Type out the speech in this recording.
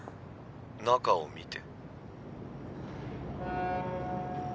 中を見て。